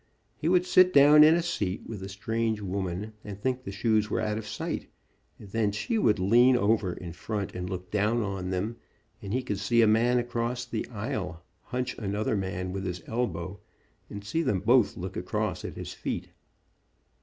He would sit down in a seat with a strange woman, and think the shoes were out of sight, and then she would lean over in front and look down on them, and he could see a man across the aisle hunch another man with his el bow, and see them both look across at his feet.